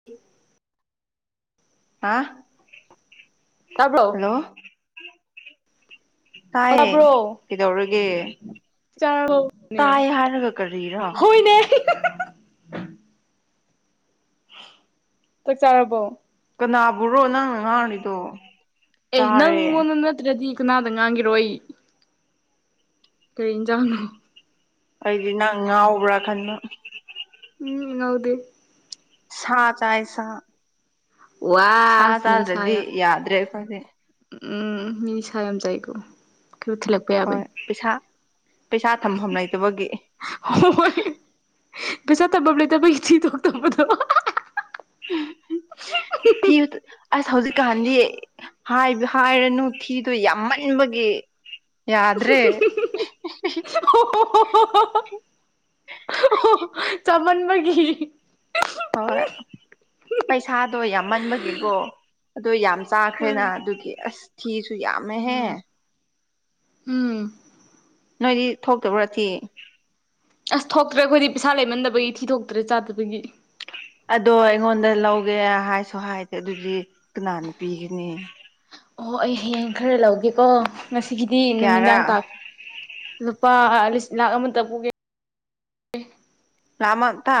[inaudible] ꯍꯥ ꯇꯥꯕ꯭ꯔꯣ ꯍꯂꯣ ꯑꯣ ꯇꯥꯏꯌꯦ ꯇꯥꯕ꯭ꯔꯣ ꯀꯩꯗꯧꯔꯒꯦ ꯆꯥꯔꯕꯣꯅꯦ ꯇꯥꯌꯦ ꯍꯥꯏꯔꯒ ꯀꯔꯤꯔ ꯍꯣꯏꯅꯦ ꯆꯥꯛ ꯆꯥꯔꯕꯣ ꯀꯅꯥꯕꯨꯔꯣ ꯅꯪꯅ ꯉꯥꯡꯔꯤꯗꯣ ꯑꯦ ꯆꯥꯔꯦ ꯅꯪꯣꯅꯠꯇꯗꯤ ꯀꯅꯥꯗ ꯉꯥꯡꯈꯤꯔꯣ ꯑꯩ ꯀꯔꯤ ꯌꯦꯟꯖꯥꯡꯅꯣ ꯑꯩꯗꯤ ꯅꯪ ꯉꯥꯎꯕ꯭ꯔꯥ ꯈꯟꯕ ꯎꯝ ꯍꯥꯎꯗꯤ ꯁꯥ ꯆꯥꯏ ꯁꯥ ꯋꯥ ꯁꯥ ꯋꯥꯁ ꯃꯤꯅꯤꯁꯥꯏ ꯆꯥꯗ꯭ꯔꯗꯤ ꯌꯥꯗ꯭ꯔꯦ ꯑꯩꯈꯣꯏꯗꯤ ꯎꯝ ꯃꯤꯁꯌꯦꯝꯖꯥꯏꯒꯣ ꯀ ꯂ ꯍꯣꯏ ꯄꯩꯁꯥ ꯄꯩꯁꯥ ꯊꯝꯐꯝ ꯂꯩꯇꯕꯒꯤ ꯍꯣꯏꯣꯏ ꯄꯩꯁꯥ ꯇꯃꯕ ꯂꯩ ꯇ ꯊꯤ ꯊꯣꯛꯣꯛꯗ ꯊꯤ ꯑꯁ ꯍꯧꯖꯤꯛ ꯀꯥꯟꯙꯗꯤ ꯍꯥꯏꯔꯅꯨ ꯐꯤꯗꯣ ꯌꯥꯝꯃꯟꯕꯒꯤ ꯌꯥꯗ꯭ꯔꯦ ꯑꯣ ꯍꯣ ꯍꯣ ꯍꯣ ꯍ ꯆꯃꯟꯕꯒꯤ ꯍꯣꯏ ꯄꯩꯁꯥꯗꯣ ꯌꯥꯝꯃꯟꯕꯒꯤꯀꯣ ꯑꯗ ꯌꯥꯝ ꯎꯝ ꯆꯥꯈ꯭ꯔꯦꯅ ꯑꯗꯨꯒꯤ ꯑꯁ ꯊꯤꯁꯨ ꯌꯥꯝꯃꯦꯍꯦ ꯎꯝ ꯅꯣꯏꯗꯤ ꯊꯣꯛꯇꯕ꯭ꯔꯥ ꯊ ꯑꯁ ꯊꯣꯛꯇ꯭ꯔꯦ ꯑꯩꯈꯣꯏꯗꯤ ꯄꯩꯁꯥ ꯂꯩꯃꯟꯗꯕꯒꯤ ꯊꯤ ꯊꯣꯛꯣꯛꯇ꯭ꯔꯦ ꯆꯥꯗꯕꯒꯤ ꯑꯗꯣ ꯑꯩꯉꯣꯟꯗ ꯂꯧꯒꯦ ꯍꯥꯏꯁꯨ ꯍꯥꯏꯗꯦ ꯑꯗꯨꯗꯤ ꯀꯅꯥꯅ ꯄꯤꯒꯅꯤ ꯑꯣ ꯑꯩ ꯍꯌꯦꯡ ꯈꯔ ꯂꯧꯒꯦꯀꯣ ꯉꯁꯤꯒꯤꯗꯤ ꯀꯌꯥꯔꯥ ꯅꯨꯃꯤꯗꯥꯡ ꯇꯥꯛ ꯂꯨꯄꯥ ꯂꯤꯁꯤꯡ ꯂꯥꯛ ꯑꯃꯇ ꯄꯨꯒꯦ ꯔꯃ ꯇ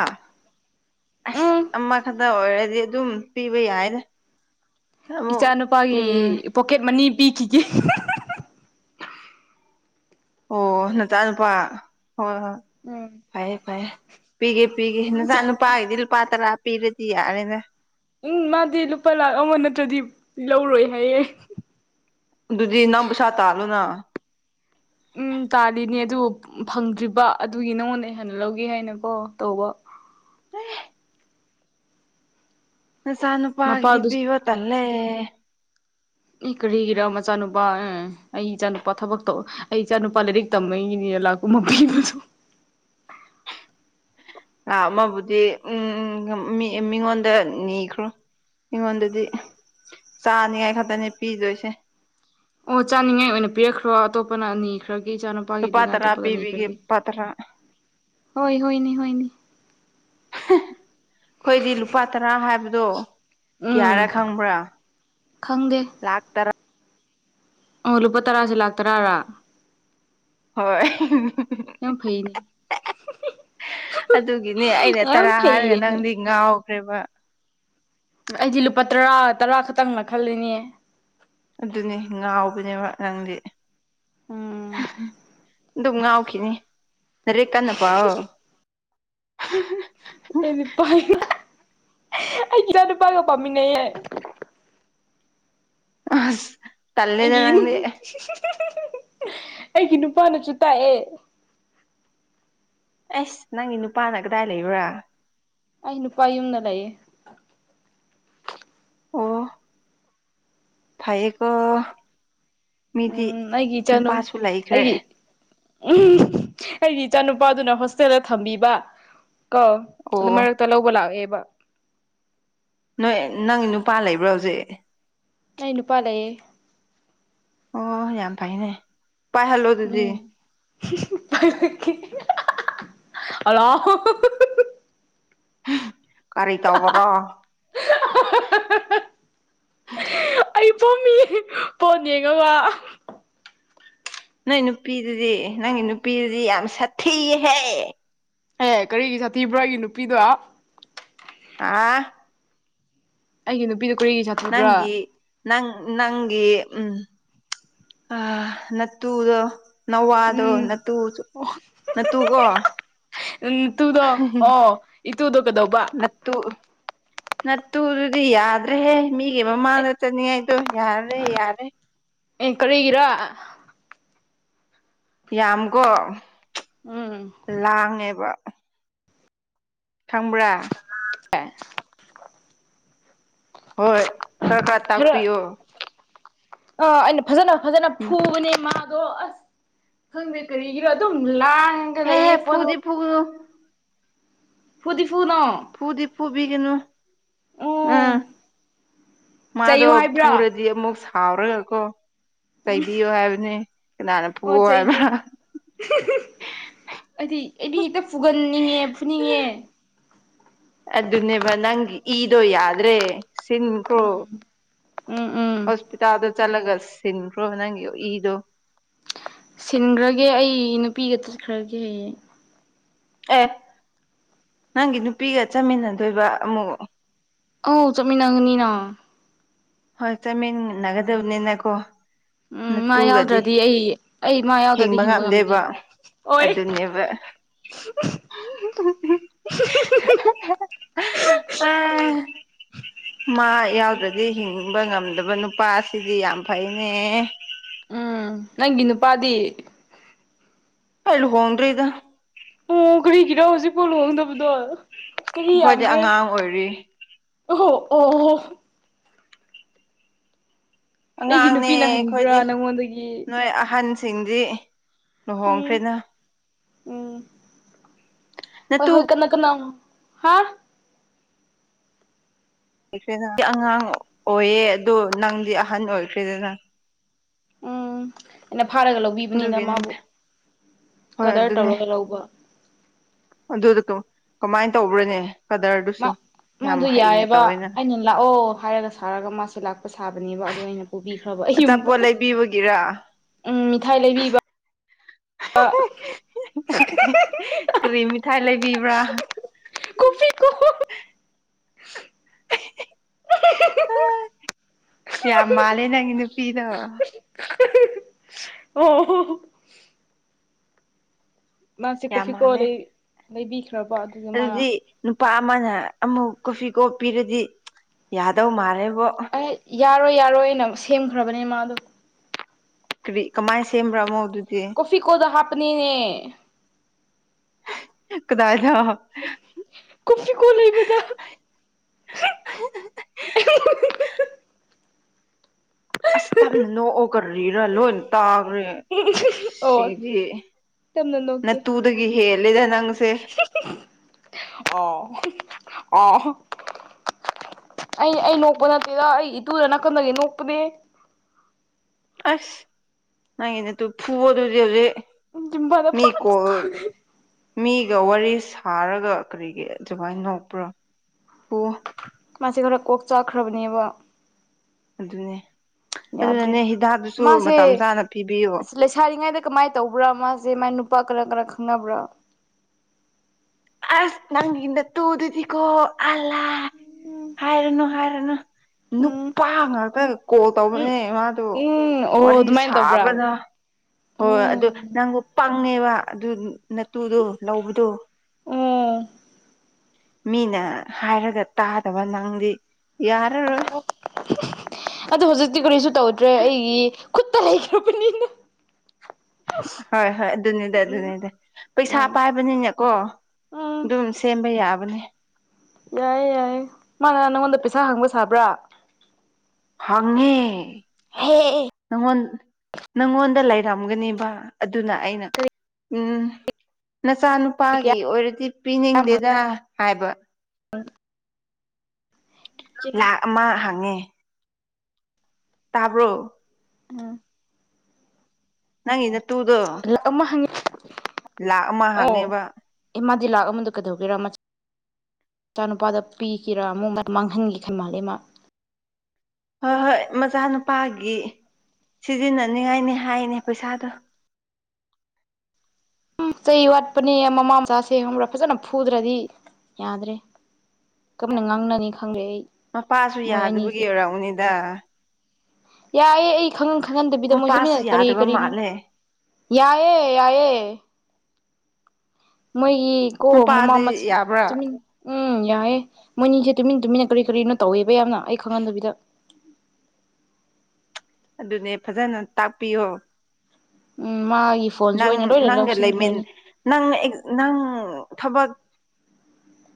ꯑꯁ ꯎꯝ ꯑꯃꯈꯛꯇ ꯑꯣꯏꯔꯗꯤ ꯑꯗꯨꯝ ꯄꯤꯕ ꯌꯥꯏꯅ ꯏꯆꯥꯅꯨꯄꯥꯒꯤ ꯄꯣꯀꯦꯠ ꯃꯅꯤ ꯄꯤꯈꯤꯒꯦ ꯑꯣ ꯅꯆꯥ ꯅꯨꯄꯥ ꯍꯣꯏ ꯍꯣꯏ ꯎꯝ ꯐꯩꯦ ꯐꯩꯦ ꯄꯤꯒꯦ ꯄꯤꯒꯦ ꯅꯆꯥ ꯅꯨꯄꯥꯒꯤꯗꯤ ꯂꯨꯄꯥ ꯇꯔꯥ ꯄꯤꯔꯗꯤ ꯌꯥꯔꯦꯅꯦ ꯎꯝ ꯃꯥꯗꯤ ꯂꯨꯄꯥ ꯂꯥꯛ ꯑꯃ ꯅꯠꯇ꯭ꯔꯗꯤ ꯂꯧꯔꯣꯏ ꯍꯥꯏꯌꯦꯦ ꯑꯗꯨꯗꯨꯖꯤ ꯅꯁꯇꯥꯜꯣꯅ ꯎꯝ ꯇꯥꯜꯂꯤꯅꯦ ꯑꯗꯨꯕꯨ ꯐꯪꯗ꯭ꯔꯤꯕ ꯑꯗꯨꯒꯤ ꯅꯉꯣꯟꯗ ꯑꯩ ꯍꯥꯟꯅ ꯂꯧꯒꯦ ꯍꯥꯏꯅꯀꯣ ꯇꯧꯕ ꯎꯝ ꯅꯆꯥꯥ ꯅꯨꯄꯥꯒꯤꯗꯤ ꯃꯄꯥꯗꯨ ꯄꯤꯕꯣ ꯇꯜꯂꯦ ꯀꯔꯤꯒꯤꯔ ꯃꯆꯥꯅꯨꯄꯥ ꯑꯩ ꯏꯆꯥꯅꯨꯄꯥ ꯊꯕꯛꯇꯣ ꯑꯩ ꯏꯆꯥ ꯅꯨꯄꯥ ꯂꯥꯏꯔꯤꯛ ꯇꯝꯃꯒꯤꯅꯤꯅ ꯂꯥꯛꯄ ꯃꯁꯨ ꯉ ꯑꯃꯕꯨꯗꯤ ꯎꯝ ꯃꯤꯉꯣꯟꯗ ꯅꯤꯈ꯭ꯔꯣ ꯑꯩꯉꯣꯟꯗꯗꯤ ꯆꯥꯅꯤꯉꯥꯏ ꯈꯛꯇꯅꯤ ꯄꯤꯗꯣꯏꯁꯦ ꯑꯣ ꯆꯥꯅꯤꯡꯉꯥꯏ ꯑꯣꯏꯅ ꯄꯤꯔꯛꯈ꯭ꯔꯣ ꯑꯇꯣꯞꯄꯅ ꯑꯅꯤ ꯈꯔꯒꯤ ꯆꯥꯅꯕ ꯂꯨꯄꯥ ꯅꯨꯄꯥꯒꯤꯗꯨꯅ ꯇꯔꯥ ꯑꯇꯣꯞꯄꯗ ꯄꯤꯕꯤꯒꯦ ꯅꯤꯈ꯭ꯔꯒꯦ ꯂꯨꯄꯥ ꯇꯔꯥ ꯍꯣꯏ ꯍꯣꯏꯅꯤ ꯍꯣꯏꯅꯤ ꯑꯩꯈꯣꯏꯗꯤ ꯂꯨꯄꯥ ꯇꯔꯥ ꯍꯥꯏꯕꯗꯣ ꯎꯝ ꯀꯌꯥꯌꯥꯔꯥ ꯈꯪ꯭ꯔ ꯈꯪꯗꯦ ꯂꯥꯛ ꯇꯔ ꯑꯣ ꯂꯨꯄꯥ ꯇꯔꯥꯁꯦ ꯂꯥꯛꯇꯔꯥꯔꯥ ꯍꯣꯏ ꯌꯥꯝ ꯐꯩꯅꯦ ꯑꯗꯨꯒꯤꯅꯦ ꯑꯩꯅ ꯌꯥꯝ ꯇꯔꯥ ꯍꯥꯏꯔꯒ ꯐꯩꯌꯦꯅꯦ ꯅꯪꯗꯤ ꯉꯥꯎꯈ꯭ꯔꯦꯕ ꯑꯩꯗꯤ ꯂꯨꯄꯥ ꯇꯔꯥ ꯇꯔꯥ ꯈꯛꯇꯪꯅ ꯈꯜꯂꯤꯅꯦ ꯑꯗꯨꯅꯤ ꯉꯥꯎꯕꯅꯦꯕ ꯅꯪꯗꯤ ꯑꯗꯨꯝ ꯉꯥꯎꯈꯤꯅꯤ ꯅꯔꯦ ꯀꯟꯅ ꯄꯥꯎ ꯑꯦꯅꯤꯄꯥꯏꯒ ꯑꯩ ꯀꯌꯥ ꯅꯨꯄꯥꯏꯒꯣ ꯄꯥꯃꯤꯅꯦꯌꯦꯦ ꯑ ꯇꯂꯦꯗ ꯑꯩꯒꯤ ꯅꯪꯗꯤ ꯑꯩꯒꯤ ꯅꯨꯄꯥꯅꯁꯨ ꯇꯥꯛꯑꯦ ꯑꯩꯁ ꯅꯪꯒꯤ ꯅꯨꯄꯥꯅ ꯀꯗꯥꯏ ꯂꯩꯕ꯭ꯔꯥ ꯑꯩ ꯅꯨꯄꯥ ꯌꯨꯝꯅ ꯂꯩꯌꯦ ꯑꯣ ꯐꯩꯌꯦꯀꯣ ꯃꯤꯗꯤ ꯎꯝ ꯑꯩꯒꯤ ꯏꯆꯥꯅꯨ ꯅꯨꯄꯥꯁꯨ ꯂꯩꯈ꯭ꯔꯦ ꯑꯩꯒꯤ ꯎꯝ ꯑꯩꯒꯤ ꯏꯆꯥꯅꯨꯄꯥꯗꯨꯅ ꯍꯣꯁꯇꯦꯜꯗ ꯊꯝꯕꯤꯕ ꯀꯣ ꯑꯣ ꯑꯗꯨ ꯃꯔ ꯇ ꯂꯧꯕ ꯂꯒꯦꯕ ꯅꯣꯏ ꯅꯪ ꯅꯨꯄꯥ ꯂꯩꯕ꯭ꯔꯣ ꯍꯧꯖꯤꯛ ꯑꯩ ꯅꯨꯄꯥ ꯂꯩꯌꯦ ꯑꯣ ꯌꯥꯝ ꯐꯥꯏꯅꯦ ꯎꯝ ꯑꯂ ꯀꯔꯤ ꯇꯧꯕ꯭ꯔꯣ ꯑꯣ ꯑꯩ ꯄꯣꯝꯃꯤ ꯄꯣꯟꯠ ꯌꯦꯡꯉꯒ ꯅꯣꯏ ꯅꯨꯄꯤꯗꯨꯗꯤ ꯅꯪꯒꯤ ꯅꯨꯄꯤꯗꯨꯗꯤ ꯌꯥꯝ ꯁꯥꯊꯤꯍꯦ ꯑꯦ ꯀꯔꯤꯒꯤ ꯁꯥꯊꯤꯕ꯭ꯔꯥꯒꯤ ꯅꯨꯄꯤꯗꯣ ꯑ ꯑꯩꯒꯤ ꯅꯨꯄꯤꯗꯨꯣ ꯀꯨꯔꯤꯒꯤ ꯅꯪꯒꯤ ꯅꯪ ꯅꯪꯒꯤ ꯎꯝ ꯑ ꯅꯠꯇꯨꯗꯣ ꯅꯋꯥꯗꯣ ꯎꯝ ꯅꯠꯇꯨ ꯅꯥꯠꯇꯨꯀꯣ ꯎ ꯇꯨꯗꯣ ꯑꯣ ꯏꯇꯨꯗꯣ ꯀꯩꯗꯧꯕ ꯨ ꯅꯠꯇꯨꯗꯨꯗꯤ ꯌꯥꯗ꯭ꯔꯦꯍꯦ ꯃꯤꯒꯤ ꯑꯦ ꯃꯃꯥꯡꯗ ꯆꯅꯤ ꯍꯥꯏꯥꯏꯣ ꯌꯥꯔꯦ ꯌꯥꯔꯦ ꯑꯦ ꯀꯔꯤꯒꯤꯔ ꯌꯥꯝꯀꯣ ꯎꯝ ꯂꯥꯡꯉꯦꯕ ꯈꯪꯕ꯭ꯔꯥ ꯄ ꯍꯣꯏ ꯈꯔ ꯈꯔ ꯇꯥꯛꯄꯤꯌꯣ ꯑꯥ ꯑꯩꯅ ꯐꯖꯅ ꯐꯖꯅ ꯎꯝ ꯐꯨꯕꯅꯦ ꯃꯥꯗꯣ ꯑꯁ ꯈꯪꯗꯦ ꯀꯔꯤꯒꯤꯔꯣ ꯑꯗꯨꯝ ꯂꯥꯡꯉꯒ ꯍꯦ ꯍꯦ ꯂꯩꯌꯦ ꯐꯣꯟ ꯐꯨꯗꯤ ꯐꯨꯒꯅꯨ ꯐꯗꯤꯐꯨꯅ ꯐꯨꯗꯤ ꯐꯨꯕꯤ ꯀꯅꯣ ꯑꯝ ꯑꯣ ꯃꯥꯗꯣ ꯆꯩꯌꯨ ꯍꯥꯏꯕ꯭ꯔꯥ ꯄꯨꯔꯗꯤ ꯑꯃꯨꯛ ꯍꯥꯎꯔꯒꯀꯣ ꯎꯝ ꯆꯩꯥꯏꯕꯤꯌꯣ ꯍꯥꯏꯕꯅꯤ ꯀꯅꯥꯅ ꯊꯣꯛꯑꯣ ꯍꯥꯏꯕ ꯍꯥꯏꯗꯤ ꯑꯩꯗꯤ ꯍꯦꯛꯇ ꯐꯨꯒꯟꯅꯤꯡꯉꯦ ꯐꯨꯅꯤꯡꯉꯦ ꯑꯗꯨꯅꯦꯕ ꯅꯪ ꯏꯗꯣ ꯌꯥꯗ꯭ꯔꯦ ꯁꯤꯟ ꯀ꯭ꯔꯣ ꯎꯝ ꯎꯝ ꯎꯝ ꯍꯁꯄꯤ ꯆꯥꯗꯣ ꯆꯠꯂꯒ ꯁꯤꯟꯈ꯭ꯔꯣ ꯅꯪꯒꯤ ꯏꯗꯣ ꯁꯤꯟꯈ꯭ꯔꯒꯦ ꯑꯩ ꯅꯨꯄꯤꯒ ꯆꯠꯈ꯭ꯔꯒꯦ ꯍꯌꯦꯡ ꯑꯦ ꯅꯪꯒꯤ ꯅꯨꯄꯤꯒ ꯆꯠꯃꯤꯟꯅꯗꯣꯏꯕ ꯑꯃꯨꯛ ꯑꯧ ꯆꯠꯃꯤꯟꯅꯉꯅꯤꯅꯣ ꯍꯣꯏ ꯇ ꯃ ꯅꯒꯗꯕꯅꯤ ꯅꯀꯣ ꯎꯝ ꯃꯥ ꯅꯠꯇꯨꯒꯗꯤ ꯌꯥꯎꯗ꯭ꯔꯗꯤ ꯑꯩ ꯑꯩ ꯃꯥ ꯌꯥꯎꯗ꯭ꯔꯗꯤ ꯍꯤꯡꯕ ꯉꯝꯗꯦꯕ ꯑꯣꯏ ꯑꯗꯨ ꯑꯗꯨ ꯅꯦꯕ [unintelligible] ꯑ ꯎꯝ ꯃꯥ ꯌꯥꯎꯗ꯭ꯔꯗꯤ ꯍꯤꯡꯕ ꯉꯝꯗꯕ ꯅꯨꯄꯥ ꯑꯁꯤꯗꯤ ꯌꯥꯝ ꯐꯩꯅꯦ ꯎꯝ ꯅꯪꯒꯤ ꯅꯨꯄꯥꯗꯤ ꯑꯦꯂ ꯍꯣꯡꯟ꯭ꯔꯤ ꯏꯗ ꯑꯣ ꯀꯔꯤꯒꯤꯔꯣ ꯍꯧꯖꯤꯛ ꯄꯣ ꯂꯨꯣꯡꯗꯕꯗꯣ ꯆꯍꯤ ꯑꯩꯈꯣꯏꯗꯤ ꯌꯥꯝꯗ꯭ꯔꯦ ꯑꯉꯥꯡ ꯑꯣꯏꯔꯤ ꯑꯣꯍꯣ ꯑꯣ ꯑꯣ ꯍꯣ ꯑꯩꯒꯤ ꯑꯉꯥꯡꯅꯦ ꯅꯨꯄꯤꯅ ꯑꯩꯈꯣꯏꯗꯤ ꯍꯟꯕ꯭ꯔꯥ ꯅꯪꯉꯣꯟꯗꯒꯤ ꯅꯣꯏ ꯑꯍꯟꯁꯤꯡꯗꯤ ꯎꯝ ꯂꯨꯍꯣꯡꯈ꯭ꯔꯦꯅ ꯎꯝ ꯍꯣꯏ ꯅꯠꯇꯨ ꯍꯣꯏ ꯀꯅꯥ ꯀꯅꯥꯣ ꯍꯥ ꯈ꯭ꯔꯦ ꯑꯩ ꯑꯉꯥꯡ ꯑꯣꯏꯌꯦ ꯑꯗꯣ ꯅꯪꯗꯤ ꯑꯍꯟ ꯑꯣꯏꯈ꯭ꯔꯦꯗꯅ ꯎꯝ ꯑꯩꯅ ꯐꯥꯔꯒ ꯂꯧꯕꯤꯕꯅꯤꯅ ꯑꯗꯨꯒꯤꯅꯤ ꯃꯥꯕꯨ ꯍꯣꯏ ꯀꯗꯔ ꯑꯗꯨꯅꯦ ꯇꯧꯔꯒ ꯂꯧꯕ ꯑꯗꯨꯗ ꯀꯃꯥꯏꯅ ꯇꯧꯕ꯭ꯔꯅꯦ ꯃꯥ ꯁ ꯃꯥꯗꯣ ꯌꯥꯏꯑꯕ ꯑꯩꯅ ꯂꯥꯛꯑꯣ ꯍꯥꯏꯔꯒ ꯁꯥꯔꯒ ꯃꯥꯁꯨ ꯂꯥꯛꯄ ꯁꯥꯕꯅꯦꯕ ꯑꯗꯨ ꯑꯩꯅ ꯄꯨꯕꯤꯈ꯭ꯔꯕ ꯑꯌꯨꯝꯗꯪ ꯑꯣꯏꯒꯦꯔ ꯎꯝ ꯃꯤꯊꯥꯏ ꯂꯩꯕꯤꯕ ꯑ ꯀꯔꯤ ꯃꯤꯊꯥꯏ ꯂꯩꯕꯤꯕ꯭ꯔꯥ ꯍꯨ ꯌꯥꯝ ꯃꯥꯜꯂꯦ ꯅꯪꯒꯤ ꯅꯨꯄꯤꯗꯣ [inaudible] [unintelligible] ꯑꯣ ꯃꯥꯁꯤ ꯌꯥꯝ ꯀꯣꯐꯤ ꯀꯣ ꯃꯥꯜꯂꯦ ꯂꯩ ꯂꯩꯕꯕꯤꯈꯅ ꯄ ꯑꯗꯨꯗꯤ ꯅꯨꯄꯥ ꯑꯃꯅ ꯑꯃꯨꯛ ꯀꯣꯐꯤ ꯀꯣꯞ ꯄꯤꯔꯗꯤ ꯌꯥꯗꯧ ꯃꯥꯜꯂꯦꯕꯣ ꯑꯦ ꯌꯥꯔꯣꯏ ꯌꯥꯔꯣꯏꯅ ꯁꯦꯝꯈ꯭ꯔꯕꯅꯦ ꯃꯥꯗꯣ ꯀꯔꯤ ꯀꯃꯥꯏꯅ ꯁꯦꯝꯕ꯭ꯔꯥ ꯑꯃꯃꯣ ꯑꯗꯨꯗꯤ ꯑꯣꯐꯤ ꯀꯗ ꯍꯥꯞꯄꯅꯤꯅꯦ ꯀꯗꯥꯏ ꯂ ꯀꯁꯤ ꯀꯣ ꯂꯩꯕꯗ ꯑꯁ ꯇꯞꯅ ꯅꯣꯛꯑꯣꯒꯔꯤꯔꯥ ꯂꯣꯏꯅ ꯇꯥꯈ꯭ꯔꯦ ꯑꯣ ꯁꯤꯗꯤ ꯌꯥꯝꯅ ꯅꯣꯛꯀꯦ ꯅꯠꯇꯨꯗꯒꯤ ꯍꯦꯜꯂꯦꯗ ꯅꯪꯁꯦ ꯑꯣ ꯑ ꯑꯩ ꯑꯩ ꯅꯣꯛꯄ ꯅꯠꯇꯦꯗ ꯑꯩ ꯏꯇꯨꯗ ꯅꯥꯀꯟꯗꯒꯤ ꯅꯣꯛꯄꯅꯦ ꯑꯁ ꯅꯪꯦꯅꯠꯇꯨ ꯐꯨ ꯑꯗꯨꯗꯦ ꯖꯤꯝꯕꯥꯗ ꯄꯥꯛ ꯃꯤꯀꯣ ꯃꯤꯒ ꯋꯥꯔꯤ ꯁꯥꯔꯒ ꯀꯔꯤꯒꯤ ꯑꯗꯨꯃꯥꯏꯅ ꯅꯣꯛꯄ꯭ꯔꯣ ꯃꯥꯁꯤ ꯈꯔ ꯀꯣꯛ ꯆꯥꯛꯈ꯭ꯔꯕꯅꯦꯕ ꯑꯗꯨꯅꯦ ꯌꯥꯗ꯭ꯔꯦ ꯑꯗꯨꯅꯅꯦ ꯍꯤꯗꯥꯛꯇꯁꯨ ꯃꯇꯝ ꯆꯥꯅ ꯄꯤꯕꯤꯌꯣ ꯁꯥꯔꯤꯉꯩꯗ ꯀꯃꯥꯏꯅ ꯇꯧꯕ꯭ꯔꯥ ꯃꯥꯁꯦ ꯃꯥ ꯅꯨꯄꯥ ꯀꯔ ꯀꯔ ꯈꯪꯅꯕ꯭ꯔꯥ ꯑꯁ ꯅꯪꯒꯤꯗ ꯇꯨꯗꯨꯗꯤꯀꯣ ꯑꯜꯂ ꯍꯥꯏꯔꯅꯨ ꯍꯥꯏꯔꯅꯨ ꯎꯝ ꯅꯨꯄꯥ ꯉꯥꯛꯇ ꯀꯣꯜ ꯎꯝ ꯇꯧꯕꯅꯦ ꯃꯥꯗꯣ ꯎꯝ ꯑꯣ ꯋꯥꯔꯤꯔꯤ ꯑꯗꯨꯃꯥꯏꯅ ꯇꯧꯕ꯭ꯔꯥ ꯁꯥꯥꯕꯅ ꯍꯣꯏ ꯎꯝ ꯑꯗꯨꯗ ꯅꯪꯕꯨ ꯄꯪꯉꯦꯕ ꯑꯗꯨ ꯅꯇꯨꯗꯣ ꯂꯧꯕꯗꯣ ꯎꯝ ꯃꯤꯅ ꯍꯥꯏꯔꯒ ꯇꯥꯗꯕ ꯅꯪꯗꯤ ꯌꯥꯔꯔꯣꯏ ꯑꯗꯨ ꯍꯧꯖꯤꯛꯇꯤ ꯀꯔꯤꯁꯨ ꯇꯧꯗ꯭ꯔꯦ ꯑꯩꯒꯤ ꯈꯨꯠꯇ ꯂꯩꯈ꯭ꯔꯕꯅꯤꯅ ꯍꯣꯏ ꯍꯣꯏ ꯑꯗꯨꯅꯤꯗ ꯎꯝ ꯑꯗꯨꯅꯤꯗ ꯄꯩꯁꯥ ꯎꯝ ꯄꯥꯏꯕꯅꯤꯅꯦꯀꯣ ꯎꯝ ꯑꯗꯨꯝ ꯁꯦꯝꯕ ꯌꯥꯕꯅꯦ ꯌꯥꯏꯌꯦ ꯌꯥꯏ ꯃꯥꯅ ꯅꯪꯉꯣꯟꯗ ꯄꯩꯁꯥ ꯍꯪꯕ ꯁꯥꯕ꯭ꯔꯥ ꯍꯉꯦ ꯍꯦ ꯅꯪꯉꯣꯟ ꯅꯪꯉꯣꯟꯗ ꯂꯩꯔꯝꯒꯅꯦꯕ ꯑꯗꯨꯅ ꯑꯩꯅ ꯎ ꯅꯆꯥꯅꯨ ꯀꯌꯥ ꯅꯨꯄꯥꯒꯤ ꯑꯣꯏꯔꯗꯤ ꯄꯤꯅꯤꯡꯗꯦꯗ ꯍꯥꯏꯕ ꯎꯝ ꯂꯥꯛ ꯃꯥ ꯍꯪꯉꯦ ꯇꯥꯕ꯭ꯔꯣ ꯎꯝ ꯅꯪ ꯏꯅ ꯇꯨꯗꯣ ꯑꯃ ꯍꯪꯉꯤ ꯂꯥꯛ ꯑꯃ ꯍꯪꯅꯦꯕ ꯑꯦꯃꯗꯤ ꯂꯥꯛ ꯑꯃꯗ ꯀꯩꯗꯧꯤꯔꯥ ꯃꯆꯥꯅꯨꯄꯥꯗ ꯄꯤꯈꯤꯔꯥ ꯑꯃꯨꯛ ꯃꯥꯡꯍꯟꯈꯤꯦ ꯈꯔ ꯃꯥꯜꯜꯂꯤꯦ ꯃꯥ ꯍꯣꯏ ꯍꯣꯏ ꯃꯆꯥꯅꯨꯄꯥꯒꯤ ꯁꯤꯖꯤꯟꯅꯅꯤꯉꯥꯏꯅꯤ ꯍꯥꯏꯅꯦ ꯄꯩꯁꯥꯗꯣ ꯆꯩ ꯋꯥꯠꯄꯅꯦ ꯃꯃꯥ ꯃꯆꯥꯁꯦ ꯈꯪꯕ꯭ꯔꯥ ꯐꯖꯅ ꯐꯨꯗ꯭ꯔꯗꯤ ꯌꯥꯗ꯭ꯔꯦ ꯀꯝꯅ ꯉꯥꯡꯅꯅꯤ ꯈꯪꯗꯦ ꯑꯩ ꯃꯄꯥꯁꯨ ꯃꯣꯏ ꯌꯥꯗꯕꯒꯤ ꯑꯅꯤꯁꯦ ꯑꯣꯏꯔꯛꯎꯅꯤꯗ ꯌꯥꯏꯌꯦꯦ ꯑꯩ ꯈꯪꯍꯟ ꯈꯪꯍꯟꯗꯕꯤꯗ ꯃꯣꯏ ꯆꯠꯃꯤꯟꯅ ꯃꯄꯥꯁꯨ ꯀꯔꯤ ꯌꯥꯗꯕ ꯀꯔꯤꯅꯣ ꯃꯥꯜꯂꯦ ꯌꯥꯏꯌꯦꯦ ꯌꯥꯏꯑꯦ ꯃꯣꯏꯒꯤ ꯀꯣ ꯃꯃꯥ ꯃꯄꯥꯗꯤ ꯃ ꯌꯥꯕ꯭ꯔꯥ ꯆꯃꯤ ꯎꯝ ꯌꯥꯏꯦ ꯃꯣꯏꯅꯤꯁꯦ ꯇꯨꯃꯤꯟ ꯇꯨꯃꯤꯟꯅ ꯀꯔꯤ ꯀꯔꯤꯅꯣ ꯇꯧꯋꯦꯕ ꯌꯥꯝꯅ ꯑꯩ ꯈꯪꯍꯟꯗꯕꯤꯗ ꯑꯗꯨꯅꯦ ꯐꯖꯅ ꯇꯥꯛꯄꯤꯌꯣ ꯎꯝ ꯃꯥꯒꯤ ꯐꯣꯟꯖꯨ ꯅꯪ ꯑꯣꯅ ꯂꯣꯏꯅ ꯅꯪꯒ ꯂꯩꯃꯤꯟ ꯂꯧꯁꯤꯟꯈ꯭ꯔꯅꯤ ꯅꯪ ꯅꯪ ꯊꯕꯛ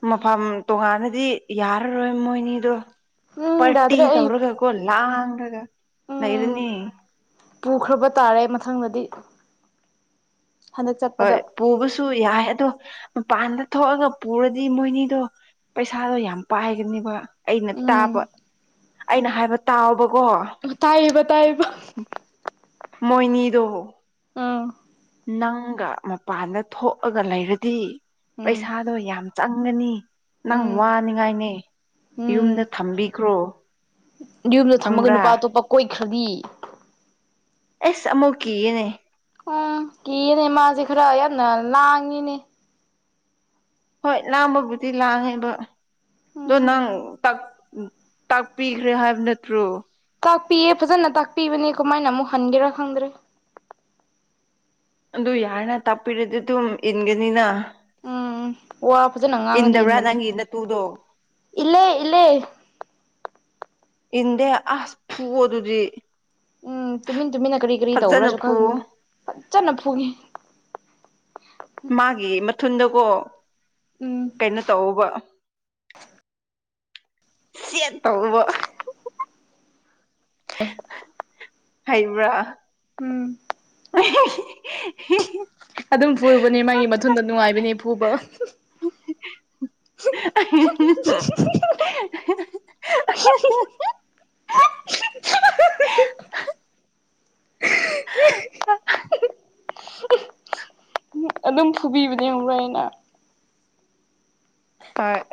ꯃꯐꯝ ꯇꯣꯉꯥꯟꯅꯗꯤ ꯌꯥꯔꯔꯣꯏ ꯃꯣꯏꯅꯤꯗꯣ ꯎꯝ ꯄꯇꯤ ꯌꯥꯗ꯭ꯔꯦ ꯑꯩ ꯇꯧꯔꯒ ꯀꯣ ꯂ꯭ꯔꯒ ꯎꯝ ꯅꯩꯔꯅꯤ ꯄꯨꯈ꯭ꯔꯕ ꯇꯥꯔꯦ ꯃꯊꯪꯗꯗꯤ ꯍꯟꯗꯛ ꯍꯣꯏ ꯆꯠꯄꯗ ꯄꯨꯕꯁꯨ ꯌꯥꯏ ꯑꯗꯣ ꯃꯄꯥꯟꯗ ꯊꯣꯛꯑꯒ ꯄꯨꯔꯗꯤ ꯃꯣꯏꯅꯤꯗꯣ ꯄꯩꯁꯥꯗꯣ ꯌꯥꯝ ꯄꯥꯏꯒꯅꯣꯕ ꯑꯩꯅ ꯇꯥꯕ ꯎꯝ ꯑꯩꯅ ꯍꯥꯏꯕ ꯇꯥꯎꯕꯀꯣ ꯇꯥꯏꯕ ꯇꯥꯏꯕ ꯃꯣꯏꯅꯤꯗꯣ ꯑꯥ ꯅꯪꯒ ꯃꯄꯥꯟꯗ ꯊꯣꯛꯂꯒ ꯂꯩꯔꯗꯤ ꯎꯝ ꯄꯩꯁꯥꯗꯣ ꯌꯥꯝ ꯆꯪꯒꯅꯤ ꯅꯪ ꯎꯝ ꯋꯥꯅꯤꯉꯥꯏꯅꯦ ꯎꯝ ꯌꯨꯝꯗ ꯊꯝꯕꯤꯈ꯭ꯔꯣ ꯌꯨꯝꯗ ꯊꯝꯃꯒ ꯈꯪꯕ꯭ꯔꯥ ꯅꯨꯄꯥ ꯑꯇꯣꯞꯄ ꯀꯣꯏꯈ꯭ꯔꯗꯤ ꯑꯦꯁ ꯑꯃꯨꯛ ꯀꯤꯌꯦꯅꯦ ꯎꯝ ꯀꯤꯌꯦꯅꯦ ꯃꯥꯖꯦ ꯈꯔ ꯌꯥꯝꯅ ꯂꯥꯡꯉꯤꯅꯦ ꯍꯣꯏ ꯂꯥꯡꯕꯕꯨꯗꯤ ꯂꯥꯡꯉꯦꯕ ꯑꯗꯣ ꯎꯝ ꯅꯪ ꯇꯛ ꯇꯥꯛꯄꯤꯈ꯭ꯔꯦ ꯍꯥꯏꯕ ꯅꯠꯇ꯭ꯔꯣ ꯇꯥꯛꯄꯤꯌꯦ ꯐꯖꯅ ꯇꯥꯛꯄꯤꯕꯅꯦ ꯀꯃꯥꯏꯅ ꯑꯃꯨꯛ ꯍꯟꯒꯦꯔꯥ ꯈꯪꯗ꯭ꯔꯦ ꯑꯗꯨ ꯑꯗꯨ ꯌꯥꯔ ꯇꯞꯄꯤ ꯏꯗꯗꯗꯨꯨ ꯏꯟꯒꯦꯅꯤꯅ ꯎꯝ ꯋꯥ ꯐꯖꯅ ꯉꯥꯡꯉꯗꯤ ꯏꯟꯕꯅꯤ ꯅꯪꯒꯤ ꯅꯇꯨꯗꯣ ꯏꯜꯂꯦ ꯏꯜꯂꯦ ꯏꯟꯗꯦ ꯑꯁ ꯐꯨꯋꯣ ꯑꯗꯨꯗꯤ ꯎꯝ ꯇꯨꯃꯤꯟ ꯇꯨꯃꯤꯟꯅ ꯀꯔꯤ ꯀꯔꯤ ꯐꯖꯅ ꯇꯧꯕ꯭ꯔꯥꯁꯨ ꯐꯨ ꯈꯪꯗꯦ ꯐꯖꯅ ꯐꯨꯒꯤ ꯃꯥꯒꯤ ꯃꯊꯨꯟꯗꯀꯣ ꯎꯝ ꯀꯩꯅꯣ ꯇꯧꯕ ꯁꯦꯠ ꯇꯧꯔꯨꯕ ꯑꯦ ꯍꯥꯏꯕ꯭ꯔꯥ ꯎꯝ [unintelligible] ꯑꯗꯨꯝ ꯐꯨꯕꯅꯦ ꯃꯥꯒꯤ ꯃꯊꯟꯗ ꯅꯨꯡꯉꯥꯏꯕꯅꯦ ꯐꯨꯕ [unintelligible] [unintelligible] [unintelligible] ꯑꯗꯨꯝ ꯐꯨꯕꯤꯕꯅꯦ ꯍꯨꯔꯣꯏꯅ ꯍꯣꯏ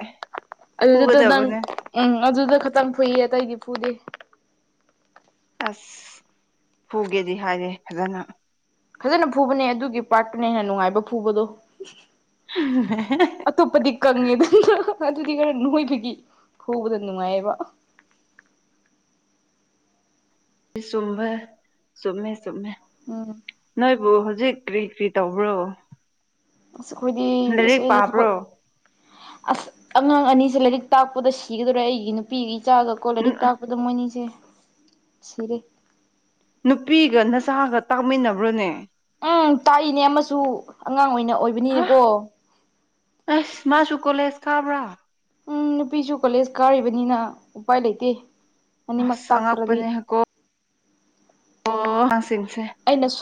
ꯑꯗꯨꯗ ꯇ ꯅꯪ ꯐꯨꯒꯗꯕꯅꯦ ꯎꯝ ꯑꯗꯨꯗ ꯈꯛꯇꯪ ꯐꯨꯏꯌꯦ ꯑꯇꯩꯗꯤ ꯐꯨꯗꯦ ꯑꯁ ꯐꯨꯒꯦꯗꯤ ꯍꯥꯏꯔꯦ ꯐꯖꯅ ꯐꯖꯅ ꯐꯨꯕꯅꯦ ꯑꯗꯨꯒꯤ ꯄꯥꯔꯠꯇꯨꯅ ꯍꯦꯟꯅ ꯅꯨꯡꯉꯥꯏꯕ ꯐꯨꯕꯗꯣ [unintelligible] ꯑꯇꯣꯞꯄꯗꯤ ꯀꯪꯉꯦꯗ ꯑꯗꯨꯗꯤ ꯈꯔ ꯅꯣꯏꯕꯒꯤ ꯍꯕꯗ ꯅꯨꯡꯉꯥꯏꯌꯦꯕ ꯆꯨꯝꯕ ꯆꯨꯝꯃꯦ ꯆꯨꯝꯃꯦ ꯎꯝ ꯅꯣꯏꯕꯨ ꯍꯧꯖꯤꯛ ꯀꯔꯤ ꯀꯔꯤ ꯇꯧꯕ꯭ꯔꯣ ꯑꯁ ꯑꯩꯈꯣꯏꯗꯤ ꯂꯥꯏꯔꯤꯛ ꯑꯩꯗꯤ ꯊꯕꯛ ꯄꯥꯕ꯭ꯔꯣ ꯑꯁ ꯑꯉꯥꯡ ꯑꯅꯤꯖꯦ ꯂꯥꯏꯔꯤꯛ ꯇꯥꯛꯄꯗ ꯁꯤꯒꯗꯧꯔꯦ ꯑꯩꯒꯤ ꯅꯨꯄꯤꯒꯤ ꯏꯆꯥꯒꯀꯣ ꯂꯥꯏꯔꯤꯛ ꯇꯥꯛꯄ ꯑꯗꯨ ꯃꯣꯏꯅꯤꯁꯦ ꯁꯤꯔꯦ ꯅꯨꯄꯤꯒ ꯅꯆꯥꯥꯒ ꯇꯥꯛꯃꯤꯟꯅꯕ꯭ꯔꯣꯅꯦ ꯎꯝ ꯇꯥꯛꯏꯅꯦ ꯑꯃꯁꯨ ꯑꯉꯥꯡ ꯑꯣꯏꯅ ꯍꯥ ꯑꯣꯏꯕꯅꯤꯅꯦꯀꯣ ꯑꯁ ꯃꯥꯁꯨ ꯀꯣꯂꯦꯖ ꯀꯥꯕ꯭ꯔꯥ ꯎꯝ ꯅꯨꯄꯤꯁꯨ ꯀꯣꯂꯦꯖ ꯀꯥꯔꯤꯕꯅꯤꯅ ꯎꯄꯥꯏ ꯂꯩꯇꯦ ꯑꯅꯤꯃꯛ ꯑꯁ ꯇꯥꯛꯇ꯭ꯔꯗꯤ ꯑꯣ [unintelligible] ꯑꯩꯅ ꯁꯨ